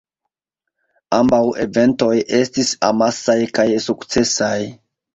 Ambaŭ eventoj estis amasaj kaj sukcesaj.